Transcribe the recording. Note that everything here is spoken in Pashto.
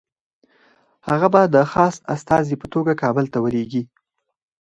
هغه به د خاص استازي په توګه کابل ته ولېږي.